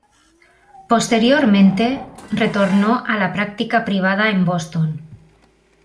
Posteriormente, retornó a la práctica privada en Boston.